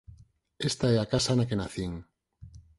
Esta é a casa na que nacín